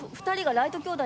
ライト兄弟。